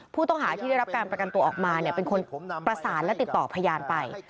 ผู้ต้องหาที่ได้รับการประกันตัวออกมาเป็นคนประสานและติดต่อพยานไป